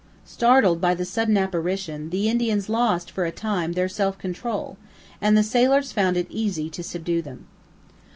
Startled by the sudden apparition, the Indians lost, for a time, their self control, and the sailors found it easy to subdue them.